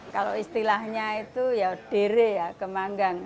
kalau istilahnya itu ya dere ya kemanggang